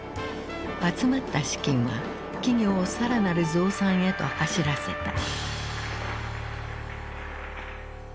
集まった資金は企業を更なる増産へと走らせた。